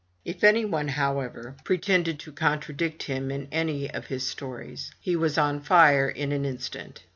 If any one, however, pretended to con 121 MY BOOK HOUSE tradict him in any of his stories, he was on fire in an instant.